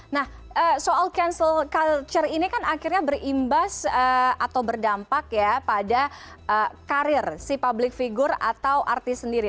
nah soal cancel culture ini kan akhirnya berimbas atau berdampak ya pada karir si public figure atau artis sendiri